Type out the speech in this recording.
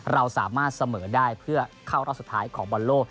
เราสามารถเสมอได้เพื่อเข้ารอบสุดท้ายของบอลโลก